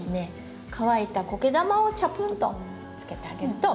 乾いたコケ玉をちゃぷんと浸けてあげると。